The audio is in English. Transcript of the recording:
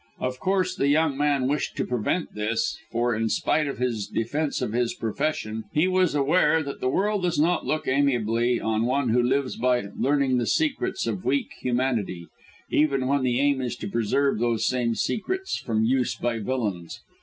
Of course, the young man wished to prevent this, for, in spite of his defence of his profession, he was aware that the world does not look amiably on one who lives by learning the secrets of weak humanity, even when the aim is to preserve those same secrets from use by villains.